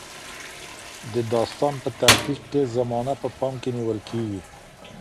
د داستان په تحقیق کې زمانه په پام کې نیول کیږي.